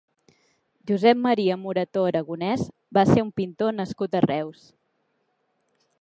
Josep Maria Morató Aragonès va ser un pintor nascut a Reus.